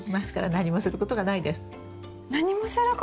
何もすることがない？